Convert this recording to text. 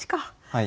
はい。